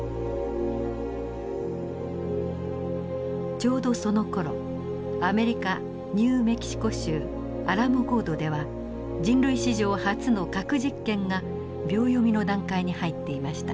ちょうどそのころアメリカ・ニューメキシコ州アラモゴードでは人類史上初の核実験が秒読みの段階に入っていました。